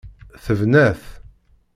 Tebna-t.